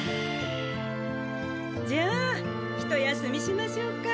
じゃあひと休みしましょうか。